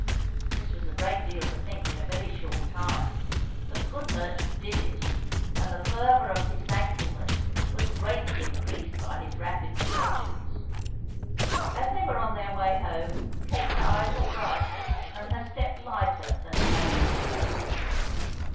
This was a great deal to think in a very short time, but the good merchant did it, and the fervour of his thankfulness was greatly increased by his rapid reflections. As they were on their way home Kate's eyes were bright, and her step lighter than it had been of late.